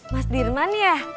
mas dirman ya